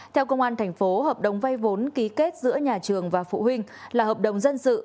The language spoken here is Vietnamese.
theo công an thành phố hợp đồng vay vốn ký kết giữa nhà trường và phụ huynh là hợp đồng dân sự